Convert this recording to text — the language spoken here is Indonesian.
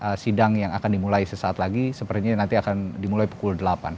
apakah sidang yang akan dimulai sesaat lagi sepertinya nanti akan dimulai pukul delapan